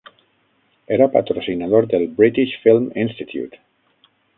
Era patrocinador del British Film Institute.